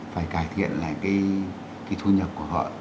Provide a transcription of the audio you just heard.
phải cải thiện lại cái thu nhập của họ